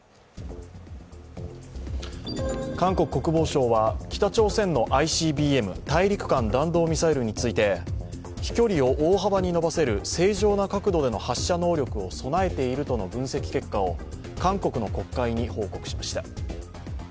韓国国防省は北朝鮮のＩＣＢＭ＝大陸間弾道ミサイルについて飛距離を大幅に伸ばせる正常な角度での発射能力を備えているとの分析結果を韓国の国会に報告しました。